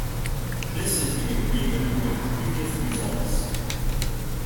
This is in agreement with previous results.